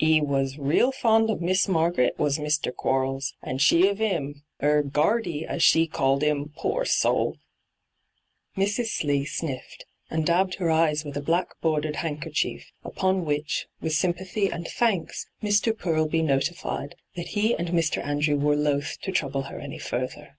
'E was real fond of Miss Marg'ret, was Mr. Quarles, and she of 'im — 'er " Guardy," as she called 'im, pore soul 1' Mrs. Slee sniffed, and dabbed her eyes with a black bordered handkerchief, upon which, with sympathy and thanks, Mr. Furlby notified that he and Mr. Andrew were loath to trouble her any further.